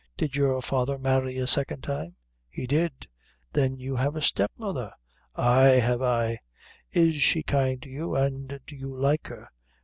"Did your father marry a second time?" "He did." "Then you have a step mother?" "Ay have I." "Is she kind to you, an' do you like her?"